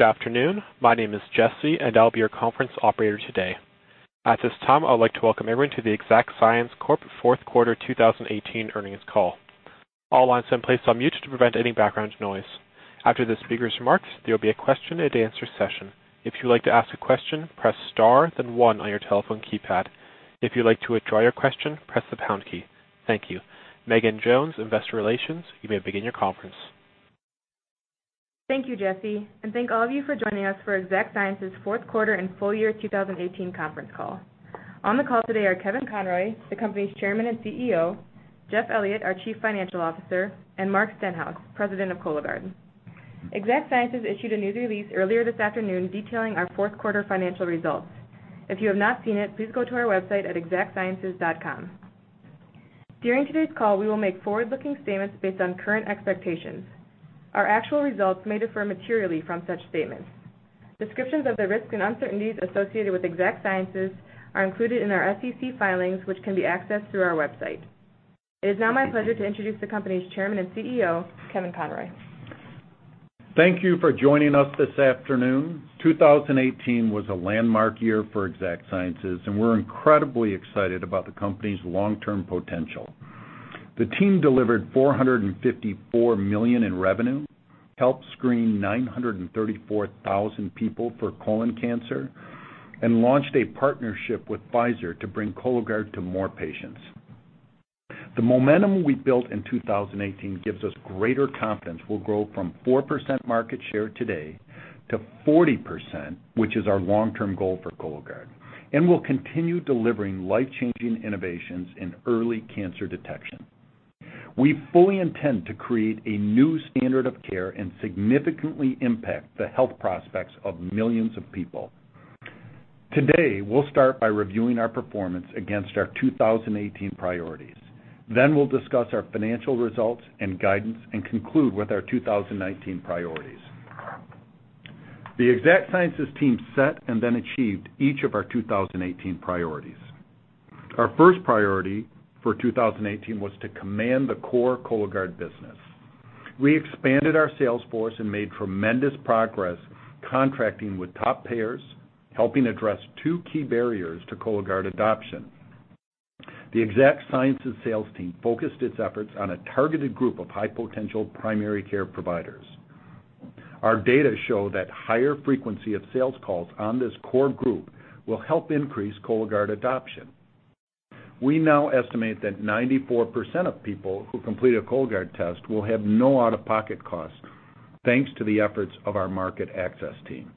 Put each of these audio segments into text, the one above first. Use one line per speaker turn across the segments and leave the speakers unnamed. Good afternoon. My name is Jesse, and I'll be your conference operator today. At this time, I would like to welcome everyone to the Exact Sciences Corporation Fourth Quarter 2018 Earnings Call. All lines have been placed on mute to prevent any background noise. After the speakers' remarks, there will be a question and answer session. If you would like to ask a question, press star then one on your telephone keypad. If you'd like to withdraw your question, press the pound key. Thank you. Megan Jones, Investor Relations, you may begin your conference.
Thank you, Jesse, and thank all of you for joining us for Exact Sciences fourth quarter and full year 2018 conference call. On the call today are Kevin Conroy, the company's chairman and CEO, Jeff Elliott, our chief financial officer, and Mark Stenhouse, President of Cologuard. Exact Sciences issued a news release earlier this afternoon detailing our fourth quarter financial results. If you have not seen it, please go to our website at exactsciences.com. During today's call, we will make forward-looking statements based on current expectations. Our actual results may differ materially from such statements. Descriptions of the risks and uncertainties associated with Exact Sciences are included in our SEC filings, which can be accessed through our website. It is now my pleasure to introduce the company's chairman and CEO, Kevin Conroy.
Thank you for joining us this afternoon. 2018 was a landmark year for Exact Sciences, and we're incredibly excited about the company's long-term potential. The team delivered $454 million in revenue, helped screen 934,000 people for colon cancer, and launched a partnership with Pfizer to bring Cologuard to more patients. The momentum we built in 2018 gives us greater confidence we'll grow from 4% market share today to 40%, which is our long-term goal for Cologuard, and we'll continue delivering life-changing innovations in early cancer detection. We fully intend to create a new standard of care and significantly impact the health prospects of millions of people. Today, we'll start by reviewing our performance against our 2018 priorities. We'll discuss our financial results and guidance and conclude with our 2019 priorities. The Exact Sciences team set and then achieved each of our 2018 priorities. Our first priority for 2018 was to command the core Cologuard business. We expanded our sales force and made tremendous progress contracting with top payers, helping address two key barriers to Cologuard adoption. The Exact Sciences sales team focused its efforts on a targeted group of high-potential primary care providers. Our data show that higher frequency of sales calls on this core group will help increase Cologuard adoption. We now estimate that 94% of people who complete a Cologuard test will have no out-of-pocket cost, thanks to the efforts of our market access team.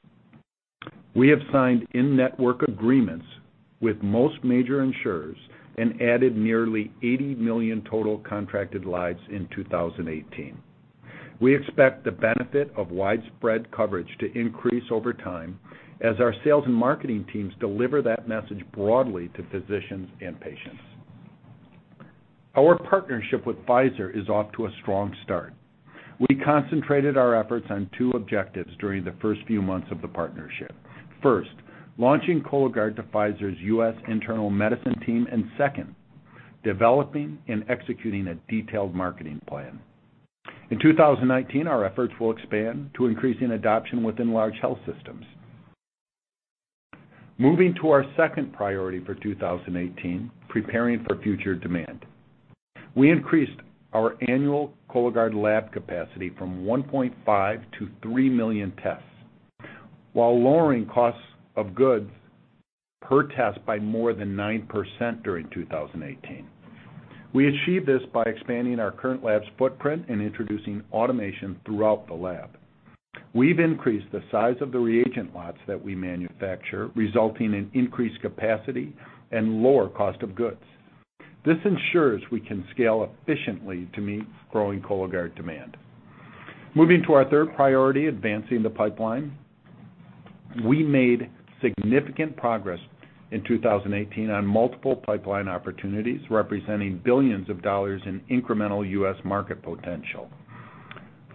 We have signed in-network agreements with most major insurers and added nearly 80 million total contracted lives in 2018. We expect the benefit of widespread coverage to increase over time as our sales and marketing teams deliver that message broadly to physicians and patients. Our partnership with Pfizer is off to a strong start. We concentrated our efforts on two objectives during the first few months of the partnership. First, launching Cologuard to Pfizer's U.S. internal medicine team and second, developing and executing a detailed marketing plan. In 2019, our efforts will expand to increasing adoption within large health systems. Moving to our second priority for 2018, preparing for future demand. We increased our annual Cologuard lab capacity from 1.5-3 million tests while lowering costs of goods per test by more than 9% during 2018. We achieved this by expanding our current lab's footprint and introducing automation throughout the lab. We've increased the size of the reagent lots that we manufacture, resulting in increased capacity and lower cost of goods. This ensures we can scale efficiently to meet growing Cologuard demand. Moving to our third priority, advancing the pipeline. We made significant progress in 2018 on multiple pipeline opportunities, representing billions of dollars in incremental U.S. market potential.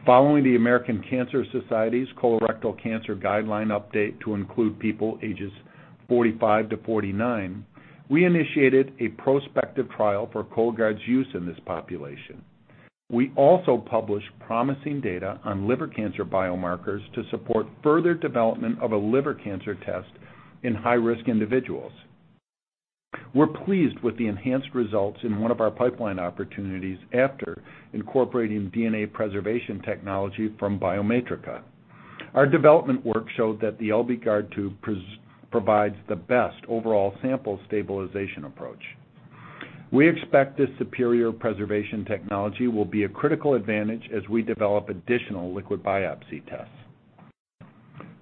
Following the American Cancer Society's colorectal cancer guideline update to include people ages 45-49, we initiated a prospective trial for Cologuard's use in this population. We also published promising data on liver cancer biomarkers to support further development of a liver cancer test in high-risk individuals. We're pleased with the enhanced results in one of our pipeline opportunities after incorporating DNA preservation technology from Biomatrica. Our development work showed that the LBgard tube provides the best overall sample stabilization approach. We expect this superior preservation technology will be a critical advantage as we develop additional liquid biopsy tests.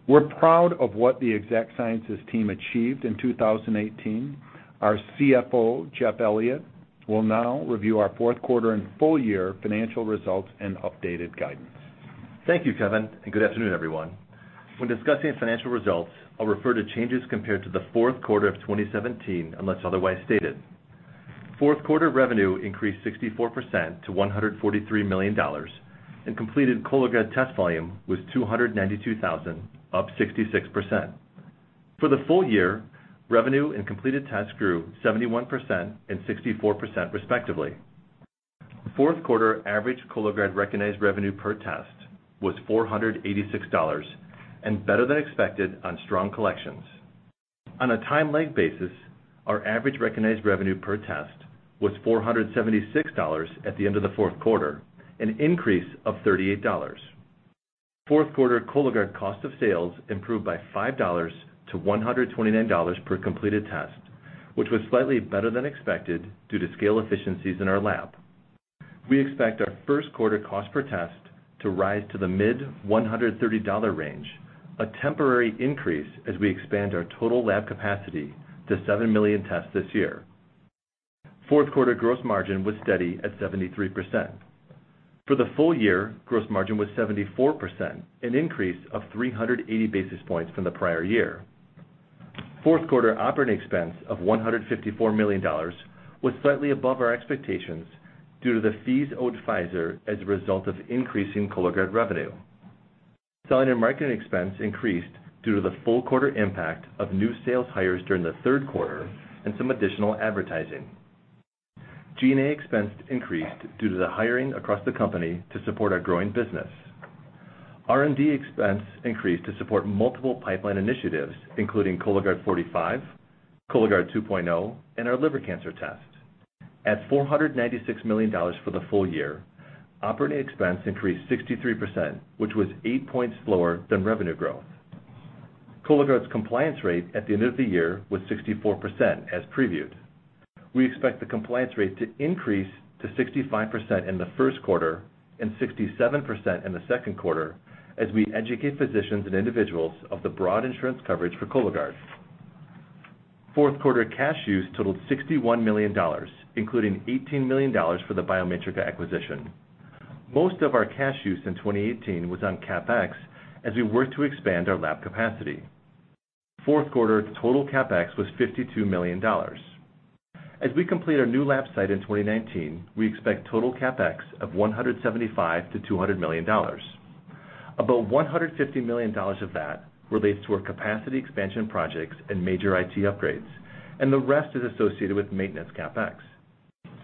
We're proud of what the Exact Sciences team achieved in 2018. Our CFO, Jeff Elliott, will now review our fourth quarter and full year financial results and updated guidance.
Thank you, Kevin. Good afternoon, everyone. When discussing financial results, I'll refer to changes compared to the fourth quarter of 2017, unless otherwise stated. Fourth quarter revenue increased 64% to $143 million. Completed Cologuard test volume was 292,000, up 66%. For the full year, revenue and completed tests grew 71% and 64% respectively. Fourth quarter average Cologuard recognized revenue per test was $486. Better than expected on strong collections. On a time leg basis, our average recognized revenue per test was $476 at the end of the fourth quarter, an increase of $38. Fourth quarter Cologuard cost of sales improved by $5 to $129 per completed test, which was slightly better than expected due to scale efficiencies in our lab. We expect our first quarter cost per test to rise to the mid $130 range, a temporary increase as we expand our total lab capacity to 7 million tests this year. Fourth quarter gross margin was steady at 73%. For the full year, gross margin was 74%, an increase of 380 basis points from the prior year. Fourth quarter operating expense of $154 million was slightly above our expectations due to the fees owed to Pfizer as a result of increasing Cologuard revenue. Selling and marketing expense increased due to the full quarter impact of new sales hires during the third quarter and some additional advertising. G&A expense increased due to the hiring across the company to support our growing business. R&D expense increased to support multiple pipeline initiatives, including Cologuard 45, Cologuard 2.0, and our liver cancer test. At $496 million for the full year, operating expense increased 63%, which was eight points lower than revenue growth. Cologuard's compliance rate at the end of the year was 64%, as previewed. We expect the compliance rate to increase to 65% in the first quarter and 67% in the second quarter as we educate physicians and individuals of the broad insurance coverage for Cologuard. Fourth quarter cash use totaled $61 million, including $18 million for the Biomatrica acquisition. Most of our cash use in 2018 was on CapEx as we worked to expand our lab capacity. Fourth quarter total CapEx was $52 million. As we complete our new lab site in 2019, we expect total CapEx of $175 million-$200 million. About $150 million of that relates to our capacity expansion projects and major IT upgrades, and the rest is associated with maintenance CapEx.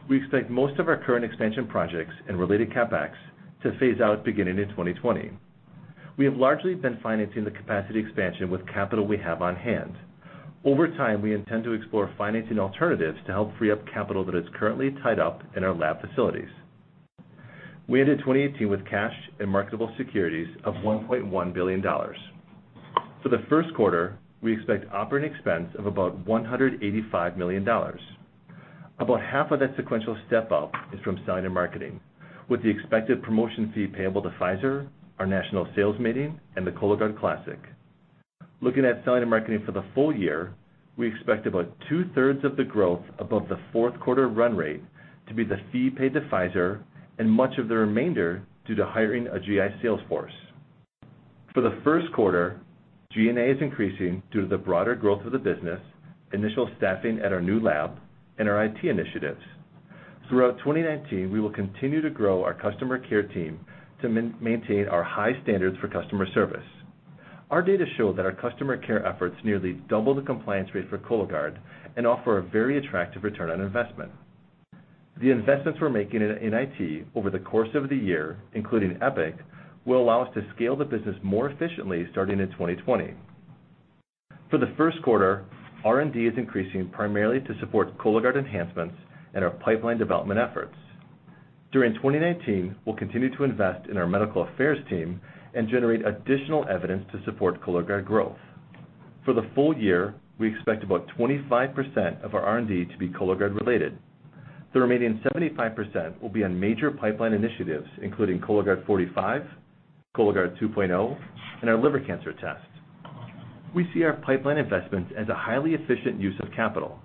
We expect most of our current expansion projects and related CapEx to phase out beginning in 2020. We have largely been financing the capacity expansion with capital we have on hand. Over time, we intend to explore financing alternatives to help free up capital that is currently tied up in our lab facilities. We ended 2018 with cash and marketable securities of $1.1 billion. For the first quarter, we expect operating expense of about $185 million. About half of that sequential step-up is from selling and marketing, with the expected promotion fee payable to Pfizer, our national sales meeting, and the Cologuard Classic. Looking at selling and marketing for the full year, we expect about two-thirds of the growth above the fourth quarter run rate to be the fee paid to Pfizer and much of the remainder due to hiring a GI sales force. For the first quarter, G&A is increasing due to the broader growth of the business, initial staffing at our new lab, and our IT initiatives. Throughout 2019, we will continue to grow our customer care team to maintain our high standards for customer service. Our data show that our customer care efforts nearly double the compliance rate for Cologuard and offer a very attractive return on investment. The investments we are making in IT over the course of the year, including Epic, will allow us to scale the business more efficiently starting in 2020. For the first quarter, R&D is increasing primarily to support Cologuard enhancements and our pipeline development efforts. During 2019, we will continue to invest in our medical affairs team and generate additional evidence to support Cologuard growth. For the full year, we expect about 25% of our R&D to be Cologuard related. The remaining 75% will be on major pipeline initiatives, including Cologuard 45, Cologuard 2.0, and our liver cancer test. We see our pipeline investments as a highly efficient use of capital.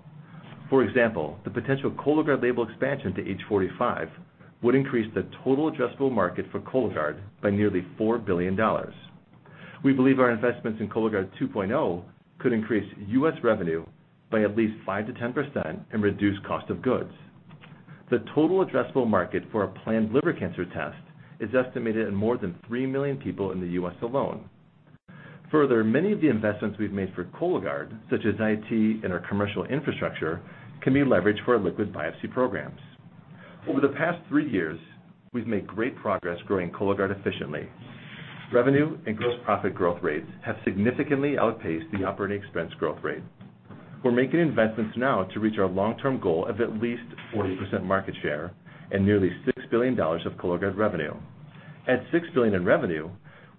For example, the potential Cologuard label expansion to age 45 would increase the total addressable market for Cologuard by nearly $4 billion. We believe our investments in Cologuard 2.0 could increase U.S. revenue by at least 5%-10% and reduce cost of goods. The total addressable market for our planned liver cancer test is estimated at more than 3 million people in the U.S. alone. Further, many of the investments we've made for Cologuard, such as IT and our commercial infrastructure, can be leveraged for our liquid biopsy programs. Over the past three years, we've made great progress growing Cologuard efficiently. Revenue and gross profit growth rates have significantly outpaced the operating expense growth rate. We're making investments now to reach our long-term goal of at least 40% market share and nearly $6 billion of Cologuard revenue. At $6 billion in revenue,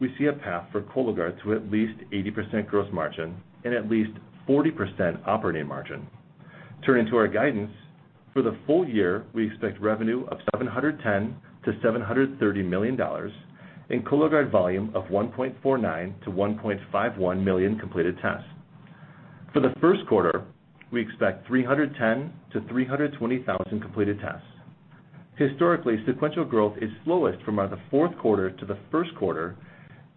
we see a path for Cologuard to at least 80% gross margin and at least 40% operating margin. Turning to our guidance, for the full year, we expect revenue of $710 million-$730 million and Cologuard volume of 1.49 million-1.51 million completed tests. For the first quarter, we expect 310,000-320,000 completed tests. Historically, sequential growth is slowest from the fourth quarter to the first quarter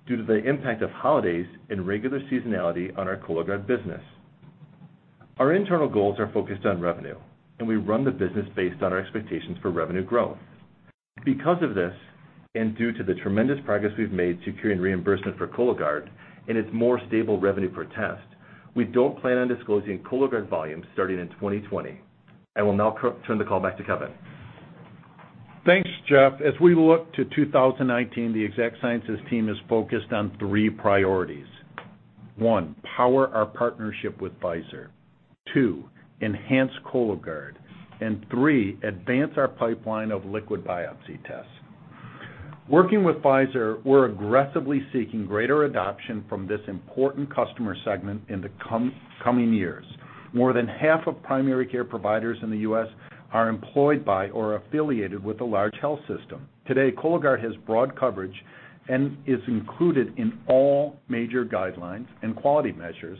due to the impact of holidays and regular seasonality on our Cologuard business. Our internal goals are focused on revenue, and we run the business based on our expectations for revenue growth. Due to the tremendous progress we've made securing reimbursement for Cologuard and its more stable revenue per test, we don't plan on disclosing Cologuard volumes starting in 2020. I will now turn the call back to Kevin.
Thanks, Jeff. As we look to 2019, the Exact Sciences team is focused on three priorities. One, power our partnership with Pfizer. Two, enhance Cologuard. Three, advance our pipeline of liquid biopsy tests. Working with Pfizer, we're aggressively seeking greater adoption from this important customer segment in the coming years. More than half of primary care providers in the U.S. are employed by or affiliated with a large health system. Today, Cologuard has broad coverage and is included in all major guidelines and quality measures,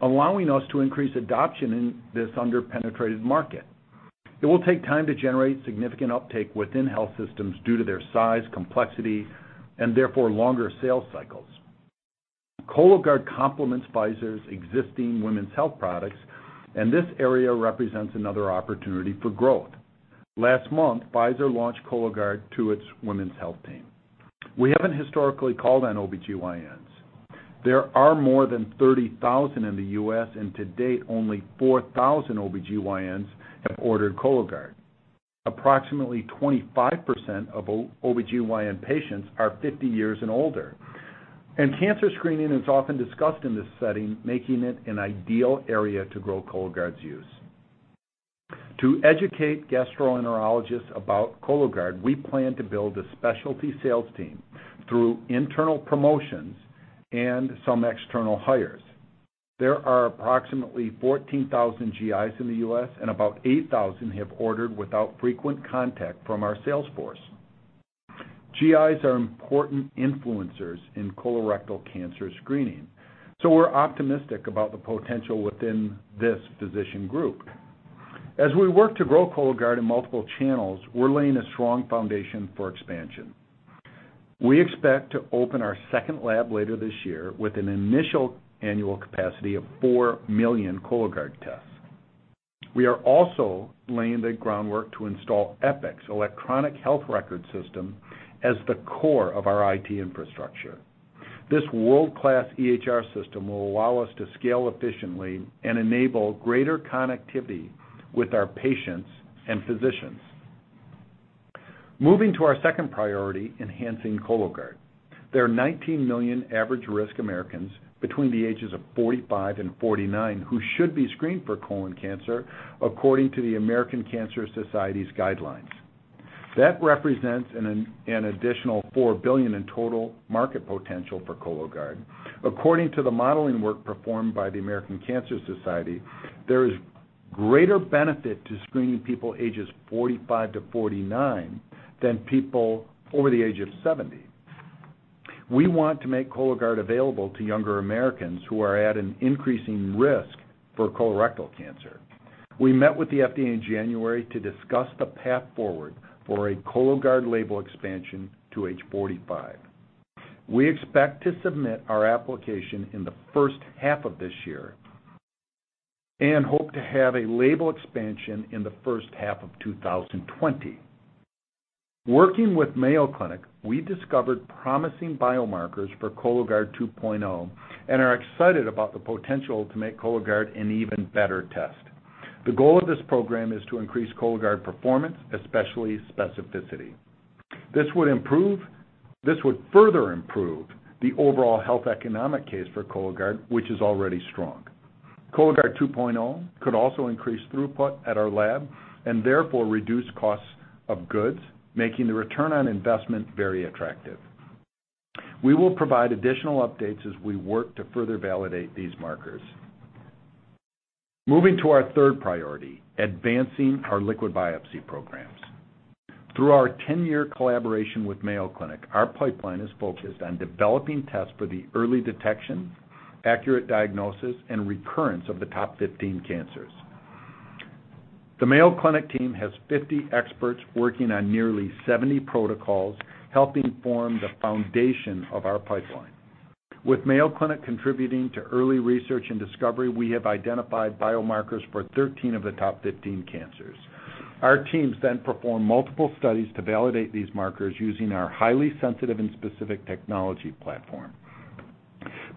allowing us to increase adoption in this under-penetrated market. It will take time to generate significant uptake within health systems due to their size, complexity, and therefore longer sales cycles. Cologuard complements Pfizer's existing women's health products, and this area represents another opportunity for growth. Last month, Pfizer launched Cologuard to its women's health team. We haven't historically called on OB/GYNs. There are more than 30,000 in the U.S., and to date, only 4,000 OB/GYNs have ordered Cologuard. Approximately 25% of OB/GYN patients are 50 years and older. Cancer screening is often discussed in this setting, making it an ideal area to grow Cologuard's use. To educate gastroenterologists about Cologuard, we plan to build a specialty sales team through internal promotions and some external hires. There are approximately 14,000 GIs in the U.S., and about 8,000 have ordered without frequent contact from our sales force. GIs are important influencers in colorectal cancer screening. We're optimistic about the potential within this physician group. As we work to grow Cologuard in multiple channels, we're laying a strong foundation for expansion. We expect to open our second lab later this year with an initial annual capacity of 4 million Cologuard tests. We are also laying the groundwork to install Epic's electronic health record system as the core of our IT infrastructure. This world-class EHR system will allow us to scale efficiently and enable greater connectivity with our patients and physicians. Moving to our second priority, enhancing Cologuard. There are 19 million average-risk Americans between the ages of 45 and 49 who should be screened for colon cancer according to the American Cancer Society's guidelines. That represents an additional $4 billion in total market potential for Cologuard. According to the modeling work performed by the American Cancer Society, there is greater benefit to screening people ages 45-49 than people over the age of 70. We want to make Cologuard available to younger Americans who are at an increasing risk for colorectal cancer. We met with the FDA in January to discuss the path forward for a Cologuard label expansion to age 45. We expect to submit our application in the first half of this year and hope to have a label expansion in the first half of 2020. Working with Mayo Clinic, we discovered promising biomarkers for Cologuard 2.0 and are excited about the potential to make Cologuard an even better test. The goal of this program is to increase Cologuard performance, especially specificity. This would further improve the overall health economic case for Cologuard, which is already strong. Cologuard 2.0 could also increase throughput at our lab and therefore reduce costs of goods, making the return on investment very attractive. We will provide additional updates as we work to further validate these markers. Moving to our third priority, advancing our liquid biopsy programs. Through our 10-year collaboration with Mayo Clinic, our pipeline is focused on developing tests for the early detection, accurate diagnosis, and recurrence of the top 15 cancers. The Mayo Clinic team has 50 experts working on nearly 70 protocols, helping form the foundation of our pipeline. With Mayo Clinic contributing to early research and discovery, we have identified biomarkers for 13 of the top 15 cancers. Our teams then perform multiple studies to validate these markers using our highly sensitive and specific technology platform.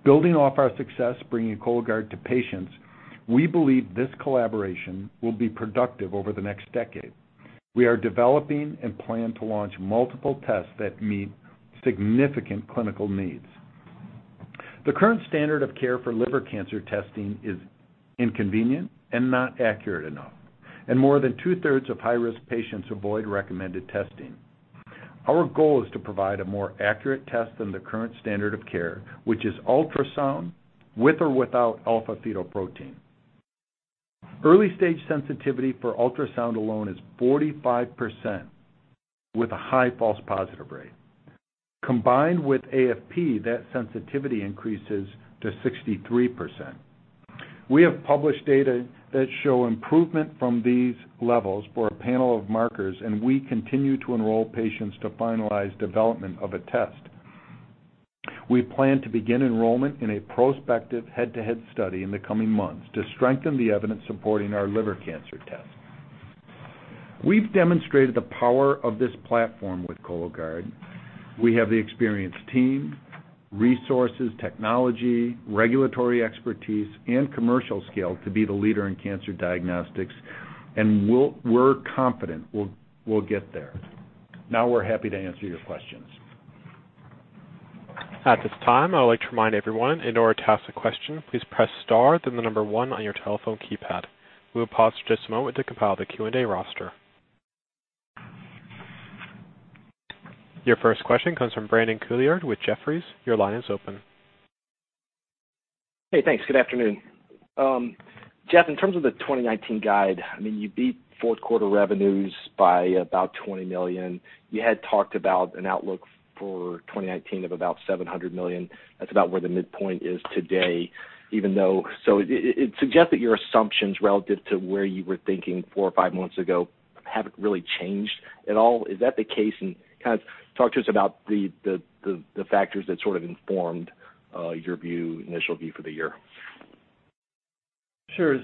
Building off our success bringing Cologuard to patients, we believe this collaboration will be productive over the next decade. We are developing and plan to launch multiple tests that meet significant clinical needs. The current standard of care for liver cancer testing is inconvenient and not accurate enough, and more than two-thirds of high-risk patients avoid recommended testing. Our goal is to provide a more accurate test than the current standard of care, which is ultrasound with or without alpha-fetoprotein. Early stage sensitivity for ultrasound alone is 45% with a high false positive rate. Combined with AFP, that sensitivity increases to 63%. We have published data that show improvement from these levels for a panel of markers, and we continue to enroll patients to finalize development of a test. We plan to begin enrollment in a prospective head-to-head study in the coming months to strengthen the evidence supporting our liver cancer test. We've demonstrated the power of this platform with Cologuard. We have the experienced team, resources, technology, regulatory expertise, and commercial scale to be the leader in cancer diagnostics. We're confident we'll get there. We're happy to answer your questions.
At this time, I would like to remind everyone, in order to ask a question, please press star, then the number one on your telephone keypad. We will pause for just a moment to compile the Q&A roster. Your first question comes from Brandon Couillard with Jefferies. Your line is open.
Hey, thanks. Good afternoon. Jeff, in terms of the 2019 guide, you beat fourth quarter revenues by about $20 million. You had talked about an outlook for 2019 of about $700 million. That's about where the midpoint is today. It suggests that your assumptions relative to where you were thinking four or five months ago haven't really changed at all. Is that the case? Talk to us about the factors that sort of informed your initial view for the year.
Sure.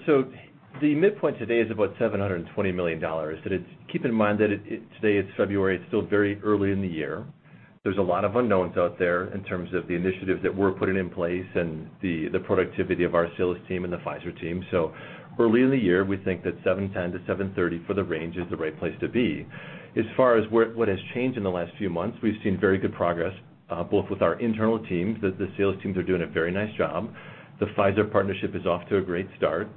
The midpoint today is about $720 million. Keep in mind that today, it's February, it's still very early in the year. There's a lot of unknowns out there in terms of the initiatives that we're putting in place and the productivity of our sales team and the Pfizer team. Early in the year, we think that $710-$730 for the range is the right place to be. As far as what has changed in the last few months, we've seen very good progress, both with our internal teams, the sales teams are doing a very nice job. The Pfizer partnership is off to a great start.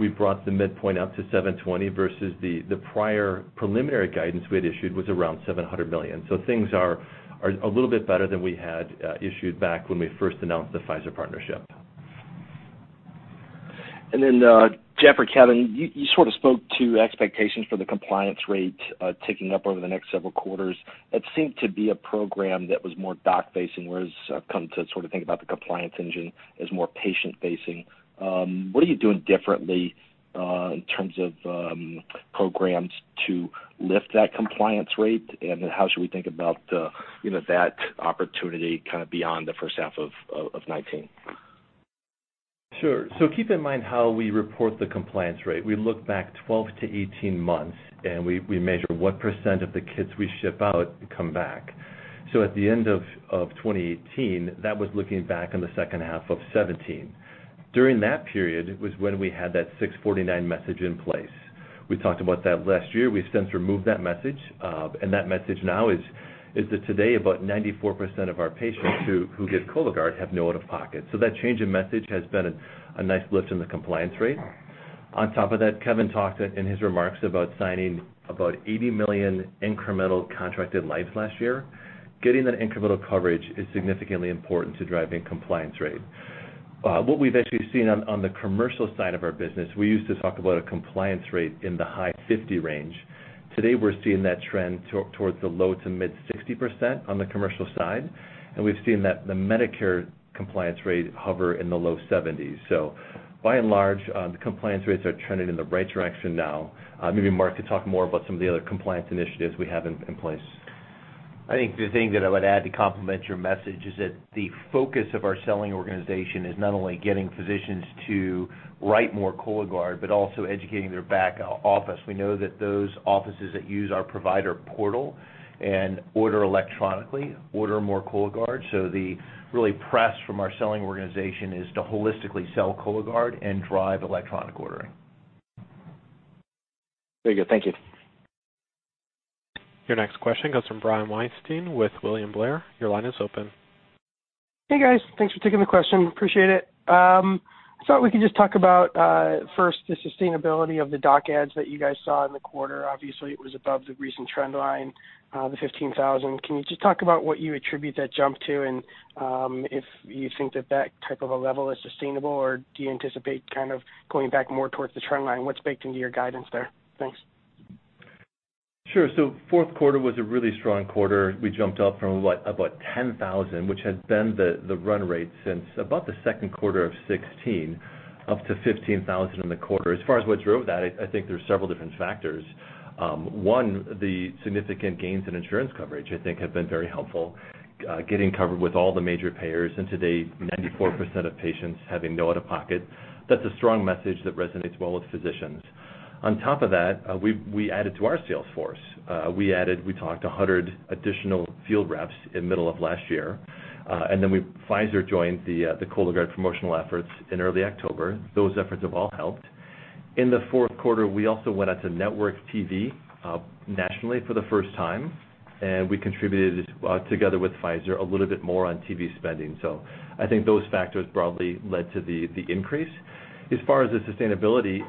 We've brought the midpoint up to $720 versus the prior preliminary guidance we had issued was around $700 million. Things are a little bit better than we had issued back when we first announced the Pfizer partnership.
Jeff or Kevin, you sort of spoke to expectations for the compliance rate ticking up over the next several quarters. That seemed to be a program that was more doc-facing, whereas I've come to sort of think about the compliance engine as more patient-facing. What are you doing differently in terms of programs to lift that compliance rate, and how should we think about that opportunity beyond the first half of 2019?
Sure. Keep in mind how we report the compliance rate. We look back 12-18 months, and we measure what % of the kits we ship out come back. At the end of 2018, that was looking back on the second half of 2017. During that period was when we had that $649 message in place. We talked about that last year. We've since removed that message, and that message now is that today about 94% of our patients who get Cologuard have no out-of-pocket. That change in message has been a nice lift in the compliance rate. On top of that, Kevin talked in his remarks about signing about $80 million incremental contracted lives last year. Getting that incremental coverage is significantly important to driving compliance rate. What we've actually seen on the commercial side of our business, we used to talk about a compliance rate in the high 50 range. Today, we're seeing that trend towards the low to mid 60% on the commercial side, and we've seen that the Medicare compliance rate hover in the low 70s. By and large, the compliance rates are trending in the right direction now. Maybe Mark could talk more about some of the other compliance initiatives we have in place.
I think the thing that I would add to complement your message is that the focus of our selling organization is not only getting physicians to write more Cologuard, but also educating their back office. We know that those offices that use our provider portal and order electronically order more Cologuard. The really press from our selling organization is to holistically sell Cologuard and drive electronic ordering.
Very good. Thank you.
Your next question comes from Brian Weinstein with William Blair. Your line is open.
Hey, guys. Thanks for taking the question. Appreciate it. I thought we could just talk about, first, the sustainability of the doc ads that you guys saw in the quarter. Obviously, it was above the recent trend line, the 15,000. Can you just talk about what you attribute that jump to, and if you think that type of a level is sustainable, or do you anticipate kind of going back more towards the trend line? What's baked into your guidance there? Thanks.
Fourth quarter was a really strong quarter. We jumped up from, what, about 10,000, which has been the run rate since about the second quarter of 2016, up to 15,000 in the quarter. As far as what drove that, I think there's several different factors. One, the significant gains in insurance coverage, I think, have been very helpful. Getting covered with all the major payers, and today, 94% of patients having no out-of-pocket. That's a strong message that resonates well with physicians. On top of that, we added to our sales force. We talked 100 additional field reps in middle of last year. Pfizer joined the Cologuard promotional efforts in early October. Those efforts have all helped. In the fourth quarter, we also went out to network TV nationally for the first time, and we contributed, together with Pfizer, a little bit more on TV spending. I think those factors broadly led to the increase. As far as the sustainability,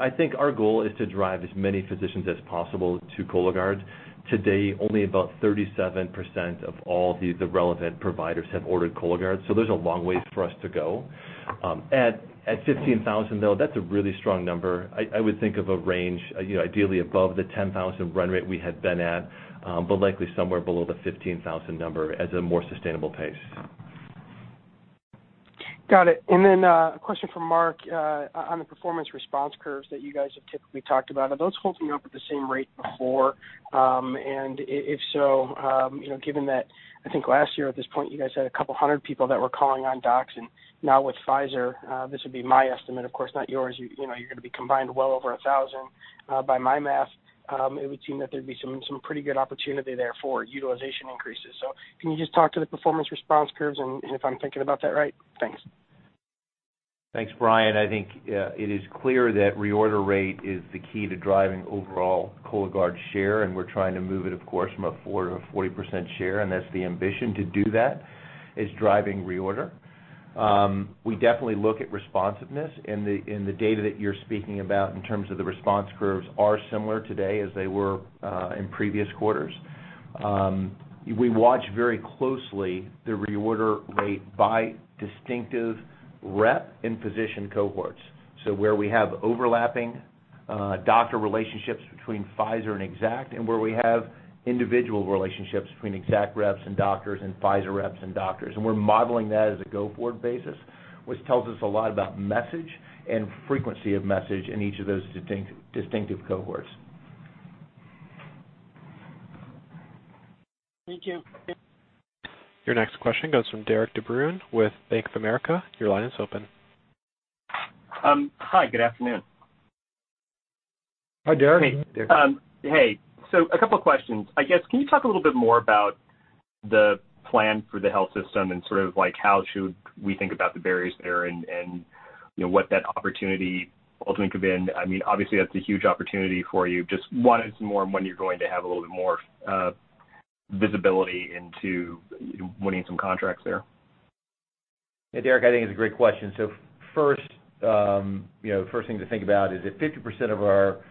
I think our goal is to drive as many physicians as possible to Cologuard. Today, only about 37% of all the relevant providers have ordered Cologuard. There's a long way for us to go. At 15,000, though, that's a really strong number. I would think of a range ideally above the 10,000 run rate we had been at, but likely somewhere below the 15,000 number as a more sustainable pace.
Got it. A question for Mark on the performance response curves that you guys have typically talked about. Are those holding up at the same rate before? If so, given that, I think last year at this point, you guys had a couple hundred people that were calling on docs, and now with Pfizer, this would be my estimate, of course, not yours, you're going to be combined well over 1,000. By my math, it would seem that there'd be some pretty good opportunity there for utilization increases. Can you just talk to the performance response curves and if I'm thinking about that right? Thanks.
Thanks, Brian. I think it is clear that reorder rate is the key to driving overall Cologuard share. We're trying to move it, of course, from a four to a 40% share. That's the ambition to do that, is driving reorder. We definitely look at responsiveness. The data that you're speaking about in terms of the response curves are similar today as they were in previous quarters. We watch very closely the reorder rate by distinctive rep and physician cohorts. Where we have overlapping doctor relationships between Pfizer and Exact, and where we have individual relationships between Exact reps and doctors and Pfizer reps and doctors. We're modeling that as a go-forward basis, which tells us a lot about message and frequency of message in each of those distinctive cohorts.
Thank you.
Your next question comes from Derik DeBruin with Bank of America. Your line is open.
Hi, good afternoon.
Hi, Derik.
Hey. A couple questions. I guess can you talk a little bit more about the plan for the health system and how should we think about the barriers there and what that opportunity ultimately could be? Obviously, that's a huge opportunity for you. Just wanted some more on when you're going to have a little bit more visibility into winning some contracts there.
Hey, Derik, I think it's a great question. First thing to think about is that 50% of our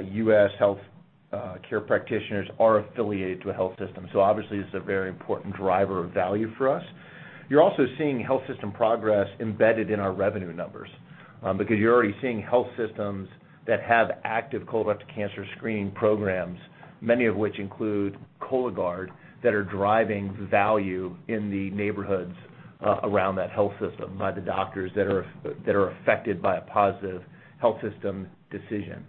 U.S. healthcare practitioners are affiliated to a health system, obviously this is a very important driver of value for us. You're also seeing health system progress embedded in our revenue numbers, because you're already seeing health systems that have active colorectal cancer screening programs, many of which include Cologuard, that are driving value in the neighborhoods around that health system by the doctors that are affected by a positive health system decision.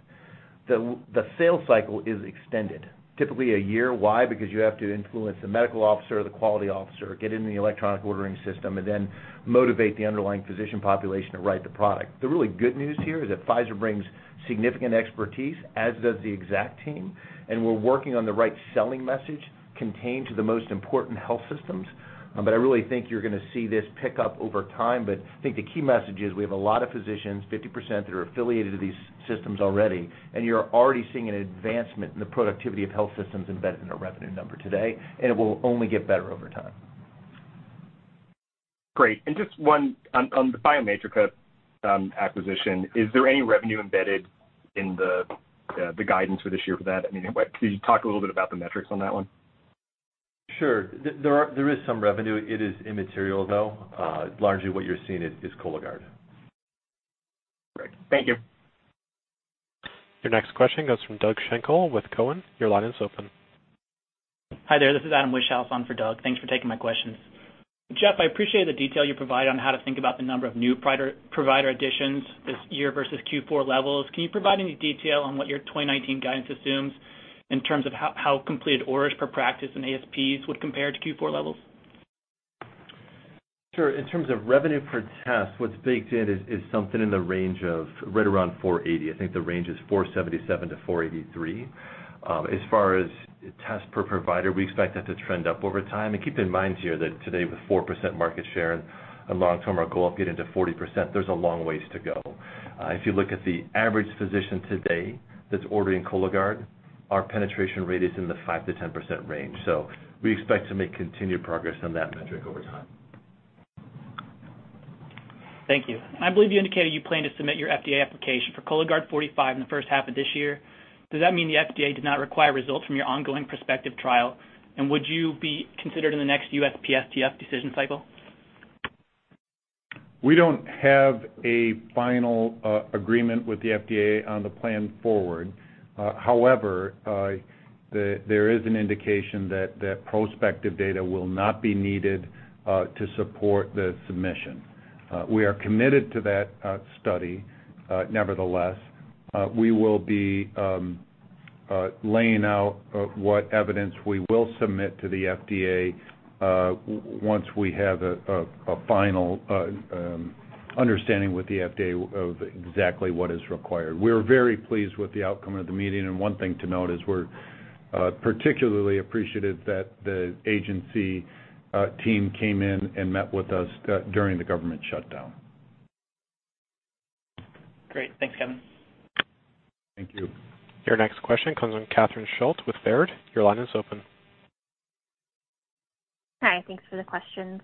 The sales cycle is extended typically a year. Why? Because you have to influence the medical officer or the quality officer, get into the electronic ordering system, and then motivate the underlying physician population to write the product. The really good news here is that Pfizer brings significant expertise, as does the Exact team, we're working on the right selling message contained to the most important health systems. I really think you're going to see this pick up over time. I think the key message is we have a lot of physicians, 50%, that are affiliated to these systems already. You're already seeing an advancement in the productivity of health systems embedded in our revenue number today, and it will only get better over time.
Great. Just one on the Biomatrica acquisition. Is there any revenue embedded in the guidance for this year for that? Can you talk a little bit about the metrics on that one?
Sure. There is some revenue. It is immaterial, though. Largely what you're seeing is Cologuard.
Great. Thank you.
Your next question comes from Doug Schenkel with Cowen. Your line is open.
Hi there. This is Adam Wieschhaus on for Doug. Thanks for taking my questions. Jeff, I appreciate the detail you provide on how to think about the number of new provider additions this year versus Q4 levels. Can you provide any detail on what your 2019 guidance assumes in terms of how completed orders per practice and ASPs would compare to Q4 levels?
Sure. In terms of revenue per test, what's baked in is something in the range of right around $480. I think the range is $477-$483. As far as tests per provider, we expect that to trend up over time. Keep in mind here that today with 4% market share and long-term, our goal of getting to 40%, there's a long ways to go. If you look at the average physician today that's ordering Cologuard, our penetration rate is in the 5%-10% range, so we expect to make continued progress on that metric over time.
Thank you. I believe you indicated you plan to submit your FDA application for Cologuard 45 in the first half of this year. Does that mean the FDA does not require results from your ongoing prospective trial? Would you be considered in the next USPSTF decision cycle?
We don't have a final agreement with the FDA on the plan forward. However, there is an indication that prospective data will not be needed to support the submission. We are committed to that study, nevertheless. We will be laying out what evidence we will submit to the FDA once we have a final understanding with the FDA of exactly what is required. We're very pleased with the outcome of the meeting, and one thing to note is we're particularly appreciative that the agency team came in and met with us during the government shutdown.
Great. Thanks, Kevin.
Thank you.
Your next question comes from Catherine Schulte with Baird. Your line is open.
Hi, thanks for the questions.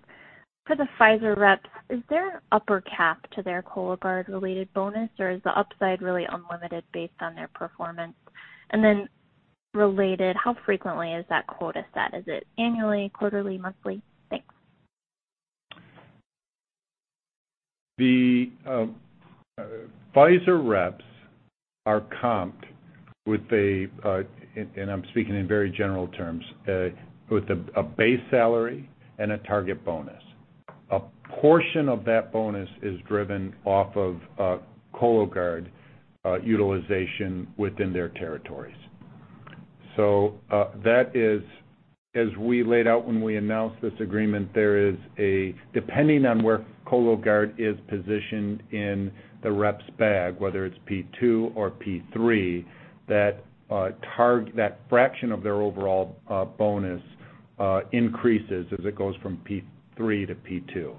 For the Pfizer reps, is there an upper cap to their Cologuard-related bonus, or is the upside really unlimited based on their performance? Related, how frequently is that quota set? Is it annually, quarterly, monthly? Thanks.
The Pfizer reps. Are comped with a, and I'm speaking in very general terms, with a base salary and a target bonus. A portion of that bonus is driven off of Cologuard utilization within their territories. That is, as we laid out when we announced this agreement, there is a, depending on where Cologuard is positioned in the rep's bag, whether it's P2 or P3, that fraction of their overall bonus increases as it goes from P3 to P2.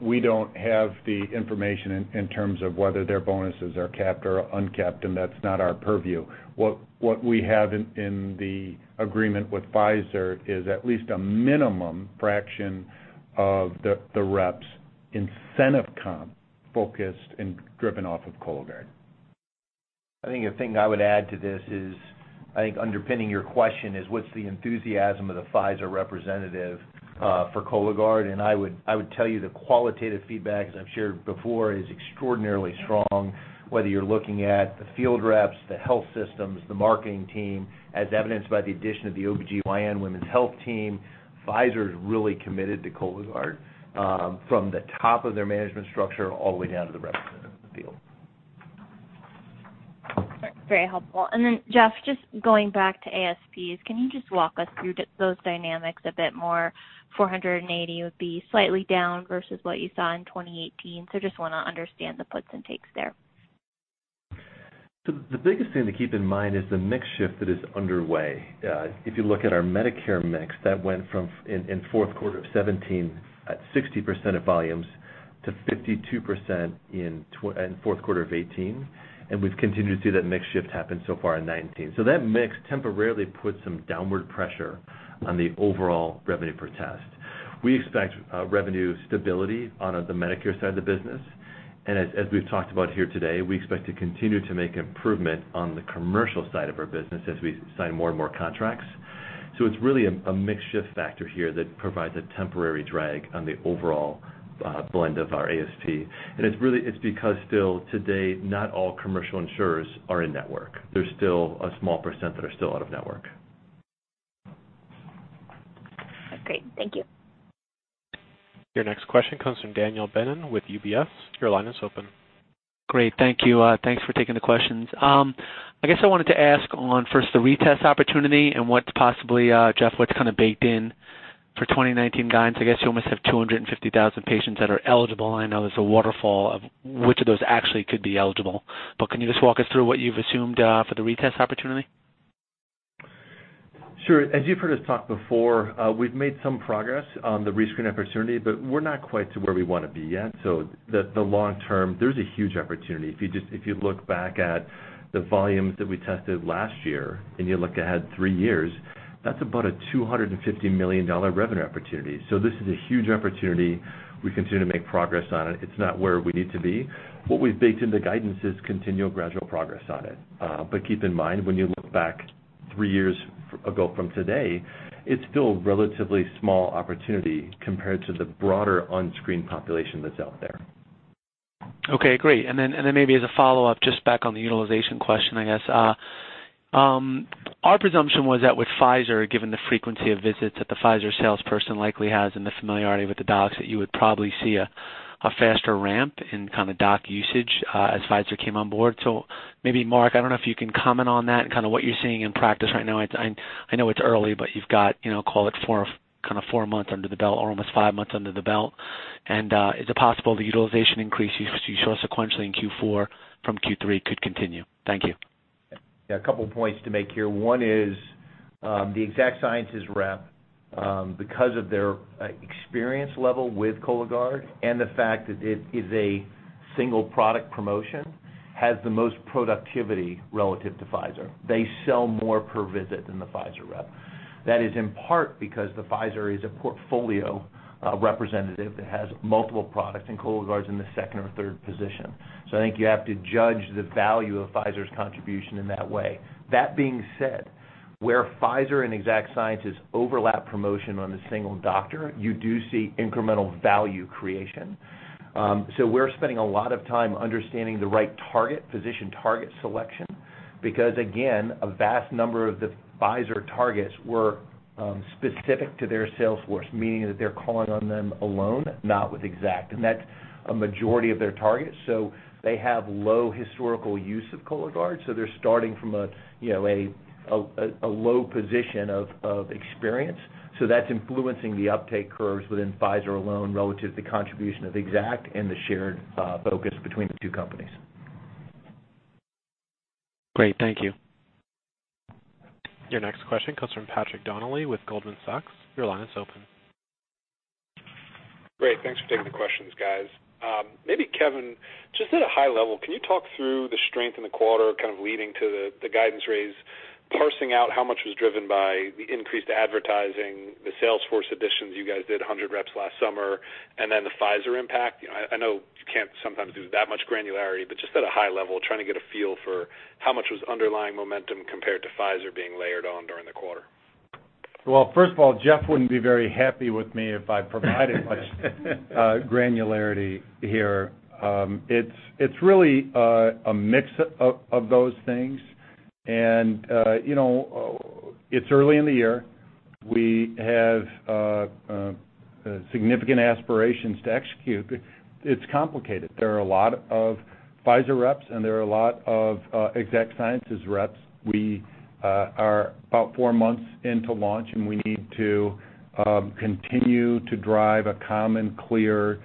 We don't have the information in terms of whether their bonuses are capped or uncapped, and that's not our purview. What we have in the agreement with Pfizer is at least a minimum fraction of the reps' incentive comp focused and driven off of Cologuard.
I think a thing I would add to this is, I think underpinning your question is what's the enthusiasm of the Pfizer representative for Cologuard, I would tell you the qualitative feedback, as I've shared before, is extraordinarily strong, whether you're looking at the field reps, the health systems, the marketing team, as evidenced by the addition of the OB/GYN women's health team. Pfizer's really committed to Cologuard, from the top of their management structure all the way down to the representative in the field.
Very helpful. Then, Jeff, just going back to ASPs, can you just walk us through those dynamics a bit more? 480 would be slightly down versus what you saw in 2018, just want to understand the puts and takes there.
The biggest thing to keep in mind is the mix shift that is underway. If you look at our Medicare mix, that went from, in fourth quarter of 2017, at 60% of volumes to 52% in fourth quarter of 2018, we've continued to see that mix shift happen so far in 2019. That mix temporarily puts some downward pressure on the overall revenue per test. We expect revenue stability on the Medicare side of the business, as we've talked about here today, we expect to continue to make improvement on the commercial side of our business as we sign more and more contracts. It's really a mix shift factor here that provides a temporary drag on the overall blend of our ASP. It's because still, to date, not all commercial insurers are in-network. There's still a small % that are still out-of-network.
Great. Thank you.
Your next question comes from Daniel Brennan with UBS. Your line is open.
Great. Thank you. Thanks for taking the questions. I guess I wanted to ask on, first, the retest opportunity and what possibly, Jeff, what's kind of baked in for 2019 guidance. I guess you almost have 250,000 patients that are eligible, and I know there's a waterfall of which of those actually could be eligible. Can you just walk us through what you've assumed for the retest opportunity?
Sure. As you've heard us talk before, we've made some progress on the rescreen opportunity, but we're not quite to where we want to be yet. The long term, there's a huge opportunity. If you look back at the volumes that we tested last year and you look ahead three years, that's about a $250 million revenue opportunity. This is a huge opportunity. We continue to make progress on it. It's not where we need to be. What we've baked into guidance is continual gradual progress on it. Keep in mind, when you look back three years ago from today, it's still a relatively small opportunity compared to the broader unscreened population that's out there.
Okay, great. Then maybe as a follow-up, just back on the utilization question, I guess. Our presumption was that with Pfizer, given the frequency of visits that the Pfizer salesperson likely has and the familiarity with the docs, that you would probably see a faster ramp in doc usage as Pfizer came on board. Maybe, Mark, I don't know if you can comment on that and what you're seeing in practice right now. I know it's early, but you've got, call it four months under the belt or almost five months under the belt. Is it possible the utilization increase you saw sequentially in Q4 from Q3 could continue? Thank you.
Yeah, a couple points to make here. One is, the Exact Sciences rep, because of their experience level with Cologuard and the fact that it is a single product promotion, has the most productivity relative to Pfizer. They sell more per visit than the Pfizer rep. That is in part because the Pfizer is a portfolio representative that has multiple products, and Cologuard's in the second or third position. I think you have to judge the value of Pfizer's contribution in that way. That being said, where Pfizer and Exact Sciences overlap promotion on a single doctor, you do see incremental value creation. We're spending a lot of time understanding the right target, physician target selection, because again, a vast number of the Pfizer targets were specific to their sales force, meaning that they're calling on them alone, not with Exact. That's a majority of their targets. They have low historical use of Cologuard, so they're starting from a low position of experience. That's influencing the uptake curves within Pfizer alone relative to the contribution of Exact and the shared focus between the two companies.
Great. Thank you.
Your next question comes from Patrick Donnelly with Goldman Sachs. Your line is open.
Great. Thanks for taking the questions, guys. Kevin, just at a high level, can you talk through the strength in the quarter kind of leading to the guidance raise, parsing out how much was driven by the increased advertising, the sales force additions, you guys did 100 reps last summer, and then the Pfizer impact? I know you can't sometimes do that much granularity, but just at a high level, trying to get a feel for how much was underlying momentum compared to Pfizer being layered on during the quarter. First of all, Jeff wouldn't be very happy with me if I provided much granularity here. It's really a mix of those things. It's early in the year. We have significant aspirations to execute, but it's complicated. There are a lot of Pfizer reps, and there are a lot of Exact Sciences reps.
We are about four months into launch, and we need to continue to drive a common, clear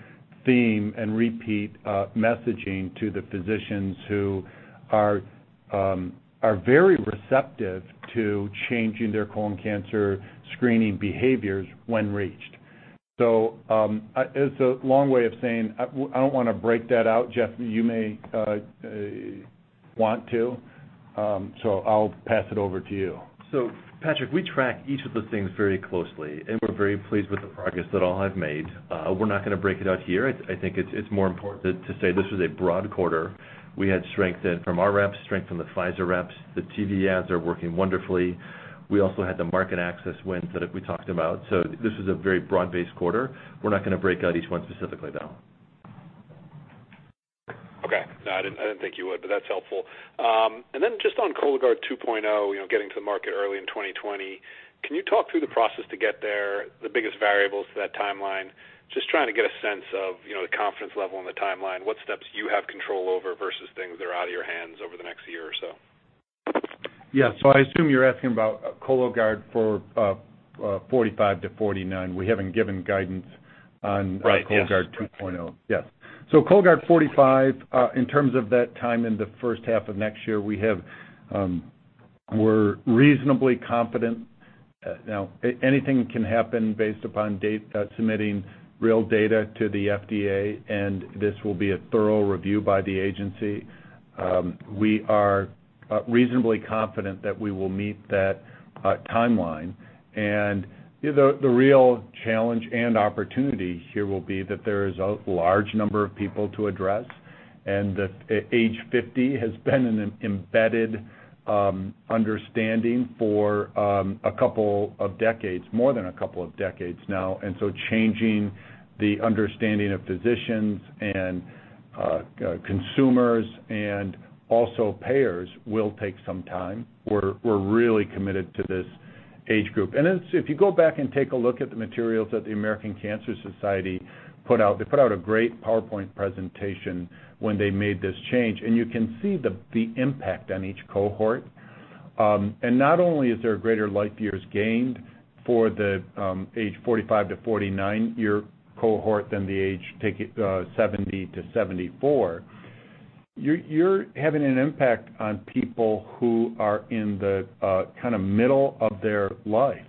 theme, and repeat messaging to the physicians who are very receptive to changing their colon cancer screening behaviors when reached. It's a long way of saying, I don't want to break that out. Jeff, you may want to. I'll pass it over to you.
Patrick, we track each of those things very closely, and we're very pleased with the progress that all have made. We're not going to break it out here. I think it's more important to say this was a broad quarter. We had strength in from our reps, strength from the Pfizer reps. The TV ads are working wonderfully. We also had the market access wins that we talked about. This was a very broad-based quarter. We're not going to break out each one specifically, though.
Okay. No, I didn't think you would, but that's helpful. Just on Cologuard 2.0, getting to the market early in 2020, can you talk through the process to get there, the biggest variables to that timeline? Just trying to get a sense of the confidence level and the timeline. What steps do you have control over versus things that are out of your hands over the next year or so?
Yeah. I assume you're asking about Cologuard for 45 to 49. We haven't given guidance.
Right, yes.
Cologuard 2.0. Yes. Cologuard 45, in terms of that time in the first half of next year, we're reasonably confident. Now, anything can happen based upon submitting real data to the FDA, and this will be a thorough review by the agency. We are reasonably confident that we will meet that timeline. The real challenge and opportunity here will be that there is a large number of people to address, and that age 50 has been an embedded understanding for a couple of decades, more than a couple of decades now. Changing the understanding of physicians and consumers and also payers will take some time. We're really committed to this age group. If you go back and take a look at the materials that the American Cancer Society put out, they put out a great PowerPoint presentation when they made this change, and you can see the impact on each cohort. Not only is there greater life years gained for the age 45 to 49-year cohort than the age 70-74, you're having an impact on people who are in the middle of their life,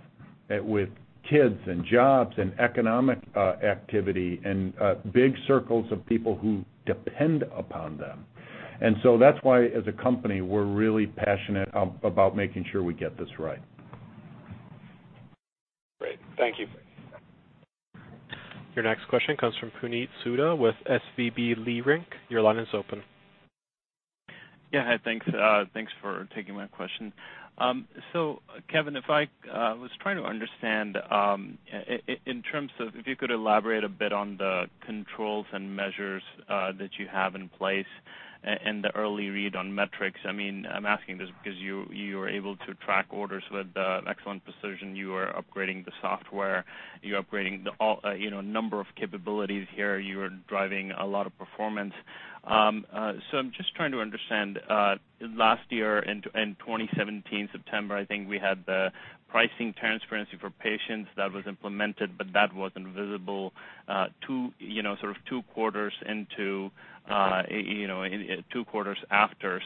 with kids and jobs and economic activity and big circles of people who depend upon them. That's why, as a company, we're really passionate about making sure we get this right.
Great. Thank you.
Your next question comes from Puneet Souda with SVB Leerink. Your line is open.
Yeah, hi. Thanks for taking my question. Kevin, I was trying to understand, if you could elaborate a bit on the controls and measures that you have in place and the early read on metrics. I'm asking this because you are able to track orders with excellent precision. You are upgrading the software. You're upgrading a number of capabilities here. You are driving a lot of performance. I'm just trying to understand, last year in 2017, September, I think we had the pricing transparency for patients that was implemented, but that wasn't visible sort of two quarters after.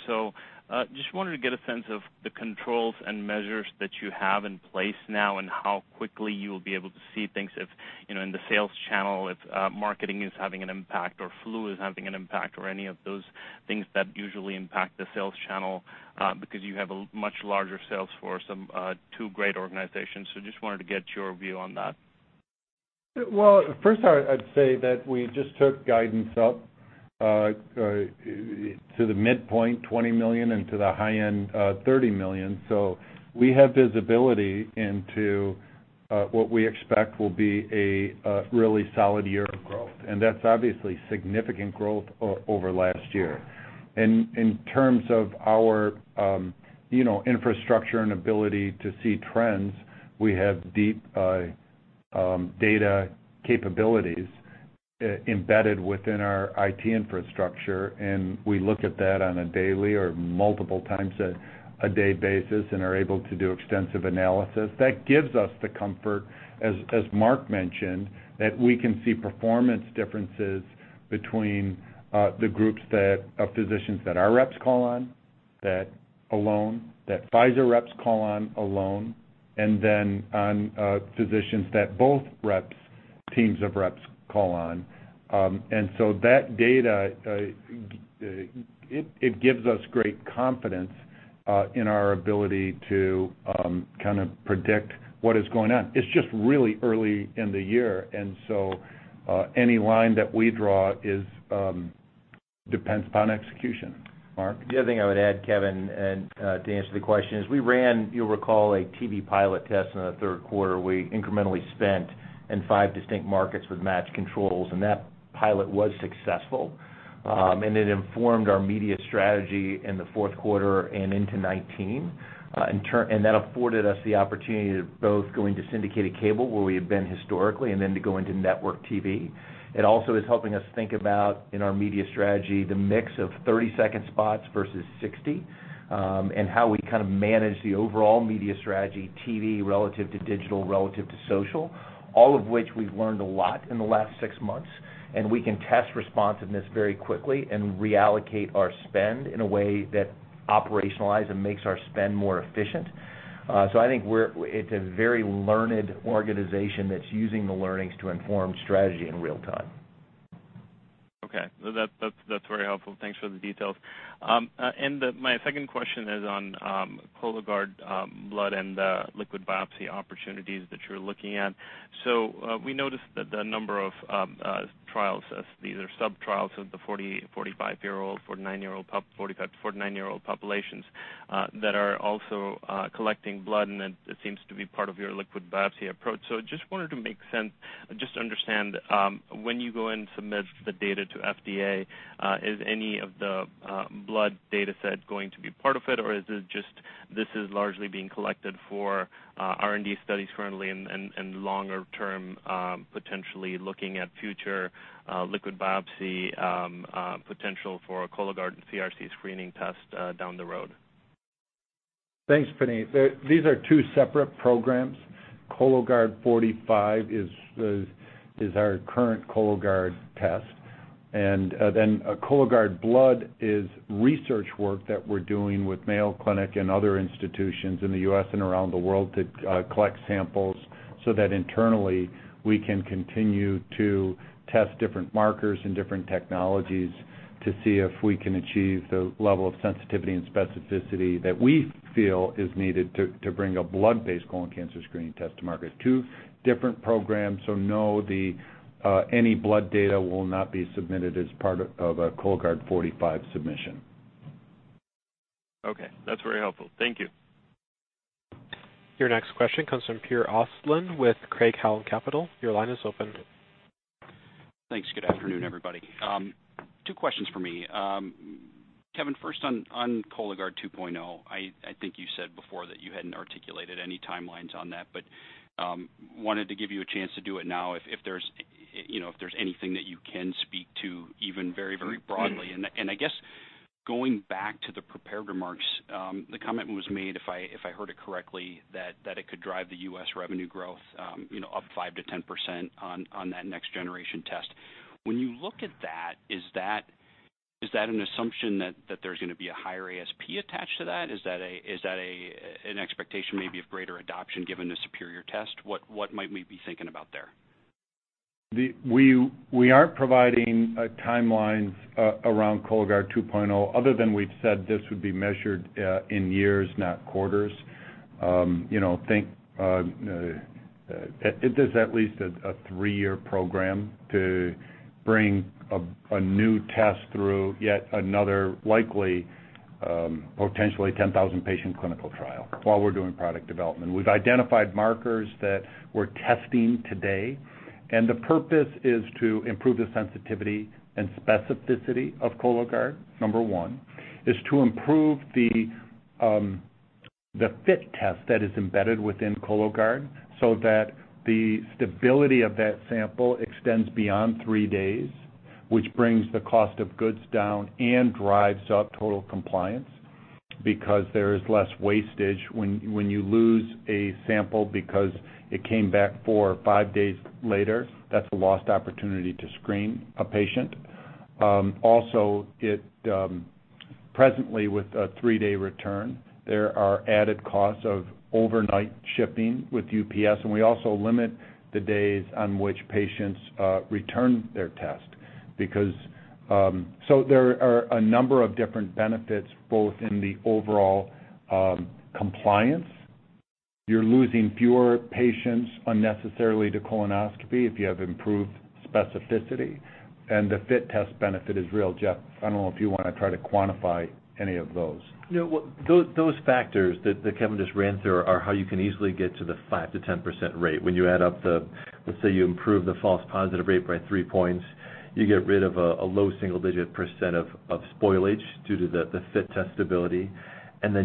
Just wanted to get a sense of the controls and measures that you have in place now and how quickly you will be able to see things in the sales channel, if marketing is having an impact or flu is having an impact or any of those things that usually impact the sales channel because you have a much larger sales force, two great organizations. Just wanted to get your view on that.
Well, first I'd say that we just took guidance up to the midpoint, $20 million, and to the high end, $30 million. We have visibility into what we expect will be a really solid year of growth. That's obviously significant growth over last year. In terms of our infrastructure and ability to see trends, we have deep data capabilities embedded within our IT infrastructure, and we look at that on a daily or multiple times a day basis and are able to do extensive analysis. That gives us the comfort, as Mark mentioned, that we can see performance differences between the groups of physicians that our reps call on alone, that Pfizer reps call on alone, and then on physicians that both teams of reps call on. That data, it gives us great confidence in our ability to kind of predict what is going on. It's just really early in the year, any line that we draw depends upon execution. Mark?
The other thing I would add, Kevin, and to answer the question, is we ran, you'll recall, a TV pilot test in the third quarter. We incrementally spent in five distinct markets with match controls, and that pilot was successful. It informed our media strategy in the fourth quarter and into 2019. That afforded us the opportunity to both go into syndicated cable, where we had been historically, and then to go into network TV. It also is helping us think about, in our media strategy, the mix of 30-second spots versus 60, and how we manage the overall media strategy, TV relative to digital relative to social. All of which we've learned a lot in the last six months, and we can test responsiveness very quickly and reallocate our spend in a way that operationalizes and makes our spend more efficient. I think it's a very learned organization that's using the learnings to inform strategy in real time.
Okay. That's very helpful. Thanks for the details. My second question is on Cologuard blood and the liquid biopsy opportunities that you're looking at. We noticed that the number of trials as either sub-trials of the 45-year-old, 49-year-old populations, that are also collecting blood, and it seems to be part of your liquid biopsy approach. Just to understand, when you go and submit the data to FDA, is any of the blood data set going to be part of it, or is it just this is largely being collected for R&D studies currently and longer term, potentially looking at future liquid biopsy potential for a Cologuard CRC screening test down the road?
Thanks, Puneet. These are two separate programs. Cologuard 45 is our current Cologuard test. Cologuard blood is research work that we're doing with Mayo Clinic and other institutions in the U.S. and around the world to collect samples so that internally, we can continue to test different markers and different technologies to see if we can achieve the level of sensitivity and specificity that we feel is needed to bring a blood-based colon cancer screening test to market. Two different programs. No, any blood data will not be submitted as part of a Cologuard 45 submission.
Okay. That's very helpful. Thank you.
Your next question comes from Per Ostlund with Craig-Hallum Capital. Your line is open.
Thanks. Good afternoon, everybody. Two questions from me. Kevin, first on Cologuard 2.0. I think you said before that you hadn't articulated any timelines on that, wanted to give you a chance to do it now if there's anything that you can speak to, even very broadly. I guess going back to the prepared remarks, the comment was made, if I heard it correctly, that it could drive the U.S. revenue growth up 5%-10% on that next generation test. When you look at that, is that an assumption that there's going to be a higher ASP attached to that? Is that an expectation maybe of greater adoption given the superior test? What might we be thinking about there?
We aren't providing timelines around Cologuard 2.0 other than we've said this would be measured in years, not quarters. It is at least a three-year program to bring a new test through yet another likely, potentially 10,000 patient clinical trial while we're doing product development. We've identified markers that we're testing today, the purpose is to improve the sensitivity and specificity of Cologuard, number one. Is to improve the FIT test that is embedded within Cologuard so that the stability of that sample extends beyond three days, which brings the cost of goods down and drives up total compliance because there is less wastage when you lose a sample because it came back four or five days later. That's a lost opportunity to screen a patient. Also, presently with a three-day return, there are added costs of overnight shipping with UPS, we also limit the days on which patients return their test. There are a number of different benefits, both in the overall compliance. You're losing fewer patients unnecessarily to colonoscopy if you have improved specificity, the FIT test benefit is real. Jeff, I don't know if you want to try to quantify any of those.
Those factors that Kevin just ran through are how you can easily get to the 5%-10% rate. When you add up the, let's say you improve the false positive rate by three points, you get rid of a low single-digit percent of spoilage due to the FIT test stability,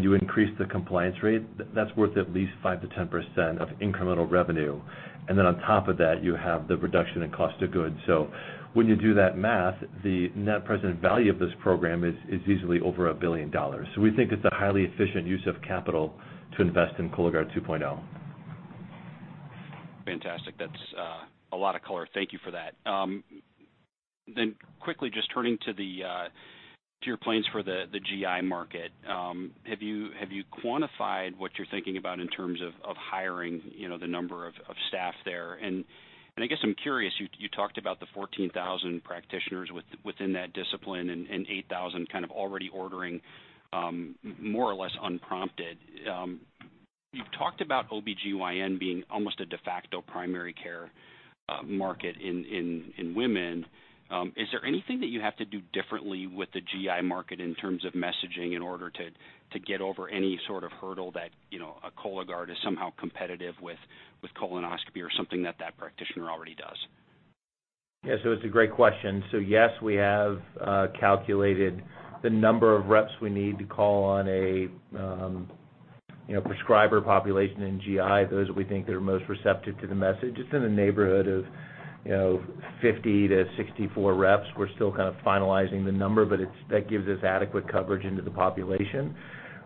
you increase the compliance rate. That's worth at least 5%-10% of incremental revenue. On top of that, you have the reduction in cost of goods. When you do that math, the net present value of this program is easily over $1 billion. We think it's a highly efficient use of capital to invest in Cologuard 2.0.
Fantastic. That's a lot of color. Thank you for that. Quickly, just turning to your plans for the GI market. Have you quantified what you're thinking about in terms of hiring the number of staff there? I guess I'm curious, you talked about the 14,000 practitioners within that discipline and 8,000 kind of already ordering more or less unprompted. You've talked about OB/GYN being almost a de facto primary care market in women. Is there anything that you have to do differently with the GI market in terms of messaging in order to get over any sort of hurdle that, a Cologuard is somehow competitive with colonoscopy or something that that practitioner already does?
Yes, it was a great question. Yes, we have calculated the number of reps we need to call on a prescriber population in GI, those we think that are most receptive to the message. It's in the neighborhood of 50-64 reps. We're still kind of finalizing the number, but that gives us adequate coverage into the population.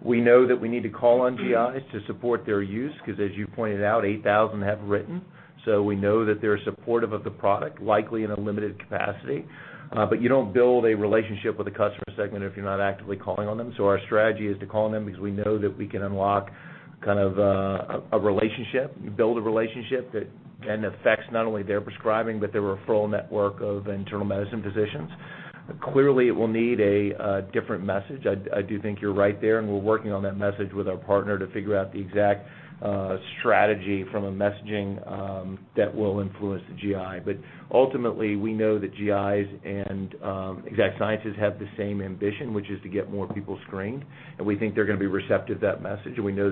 We know that we need to call on GIs to support their use, because, as you pointed out, 8,000 have written. We know that they're supportive of the product, likely in a limited capacity. You don't build a relationship with a customer segment if you're not actively calling on them. Our strategy is to call on them because we know that we can unlock kind of a relationship. You build a relationship that affects not only their prescribing, but their referral network of internal medicine physicians. Clearly, it will need a different message. I do think you're right there, we're working on that message with our partner to figure out the exact strategy from a messaging that will influence the GI. Ultimately, we know that GIs and Exact Sciences have the same ambition, which is to get more people screened, we think they're going to be receptive to that message. We know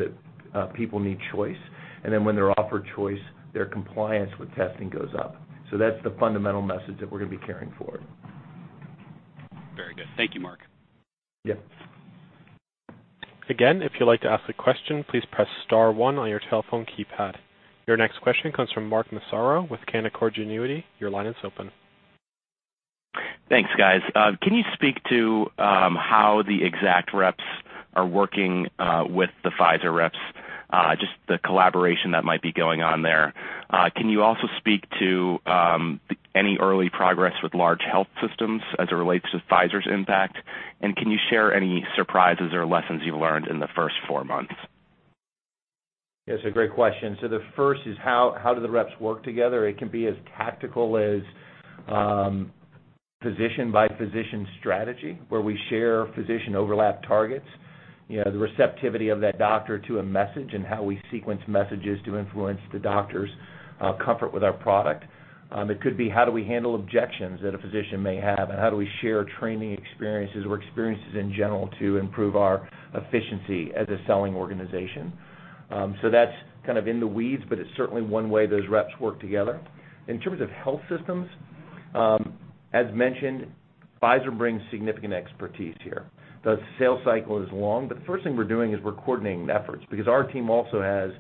that people need choice, when they're offered choice, their compliance with testing goes up. That's the fundamental message that we're going to be carrying forward.
Very good. Thank you, Mark.
Yeah.
If you'd like to ask a question, please press star one on your telephone keypad. Your next question comes from Mark Massaro with Canaccord Genuity. Your line is open.
Thanks, guys. Can you speak to how the Exact reps are working with the Pfizer reps, just the collaboration that might be going on there? Can you also speak to any early progress with large health systems as it relates to Pfizer's impact? Can you share any surprises or lessons you've learned in the first four months?
It's a great question. The first is how do the reps work together? It can be as tactical as physician-by-physician strategy, where we share physician overlap targets. The receptivity of that doctor to a message and how we sequence messages to influence the doctor's comfort with our product. It could be how do we handle objections that a physician may have, and how do we share training experiences or experiences in general to improve our efficiency as a selling organization? That's kind of in the weeds, but it's certainly one way those reps work together. In terms of health systems, as mentioned, Pfizer brings significant expertise here. The sales cycle is long, but the first thing we're doing is we're coordinating efforts because our team also has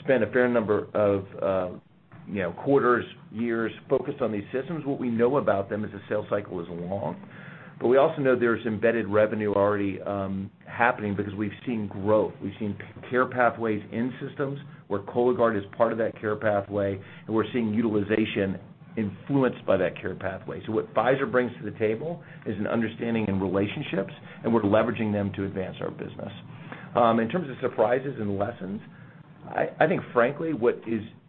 spent a fair number of quarters, years focused on these systems. What we know about them is the sales cycle is long, but we also know there's embedded revenue already happening because we've seen growth. We've seen care pathways in systems where Cologuard is part of that care pathway, and we're seeing utilization influenced by that care pathway. What Pfizer brings to the table is an understanding in relationships, and we're leveraging them to advance our business. In terms of surprises and lessons, I think frankly what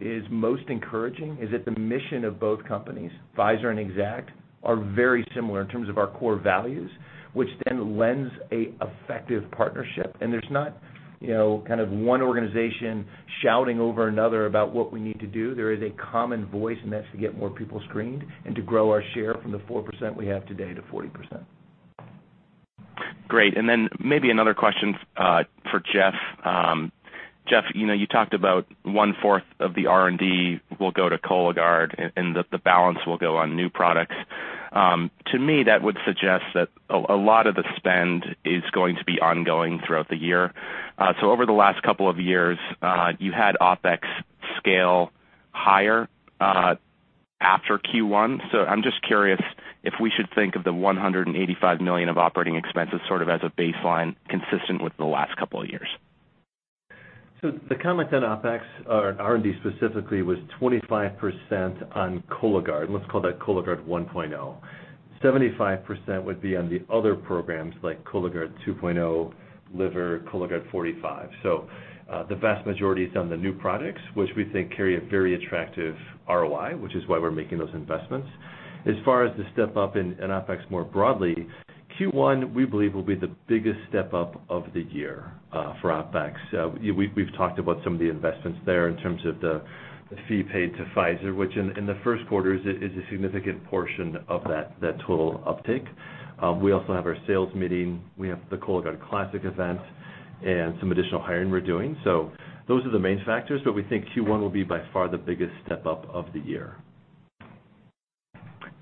is most encouraging is that the mission of both companies, Pfizer and Exact, are very similar in terms of our core values, which then lends a effective partnership. There's not one organization shouting over another about what we need to do. There is a common voice, and that's to get more people screened and to grow our share from the 4% we have today to 40%.
Great. Then maybe another question for Jeff. Jeff, you talked about one-fourth of the R&D will go to Cologuard and the balance will go on new products. To me, that would suggest that a lot of the spend is going to be ongoing throughout the year. Over the last couple of years, you had OpEx scale higher after Q1. I'm just curious if we should think of the $185 million of operating expenses sort of as a baseline consistent with the last couple of years.
The comment on OpEx or R&D specifically was 25% on Cologuard. Let's call that Cologuard 1.0. 75% would be on the other programs like Cologuard 2.0, liver, Cologuard 45. The vast majority is on the new products, which we think carry a very attractive ROI, which is why we're making those investments. As far as the step up in OpEx more broadly, Q1, we believe, will be the biggest step up of the year for OpEx. We've talked about some of the investments there in terms of the fee paid to Pfizer, which in the first quarter is a significant portion of that total uptick. We also have our sales meeting. We have the Cologuard Classic event and some additional hiring we're doing. Those are the main factors, but we think Q1 will be by far the biggest step up of the year.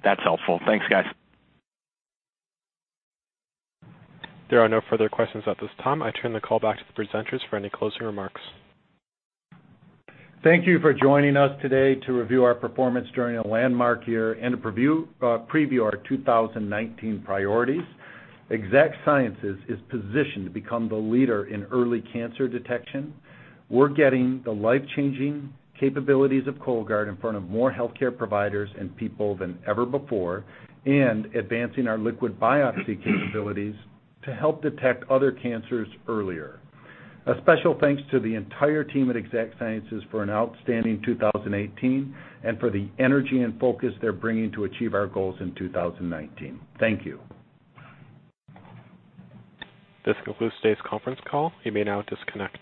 That's helpful. Thanks, guys.
There are no further questions at this time. I turn the call back to the presenters for any closing remarks.
Thank you for joining us today to review our performance during a landmark year and to preview our 2019 priorities. Exact Sciences is positioned to become the leader in early cancer detection. We're getting the life-changing capabilities of Cologuard in front of more healthcare providers and people than ever before and advancing our liquid biopsy capabilities to help detect other cancers earlier. A special thanks to the entire team at Exact Sciences for an outstanding 2018 and for the energy and focus they're bringing to achieve our goals in 2019. Thank you.
This concludes today's conference call. You may now disconnect.